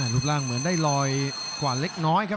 รูปร่างเหมือนได้ลอยกว่าเล็กน้อยครับ